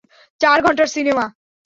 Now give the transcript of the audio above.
চার ঘন্টার সিনেমা।